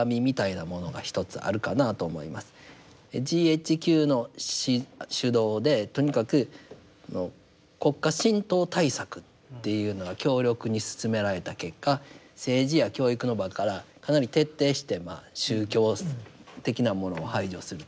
ＧＨＱの主導でとにかく国家神道対策っていうのが強力に進められた結果政治や教育の場からかなり徹底して宗教的なものを排除すると。